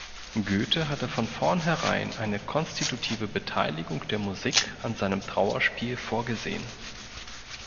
Goethe hatte von vornherein eine konstitutive Beteiligung der Musik an seinem Trauerspiel vorgesehen.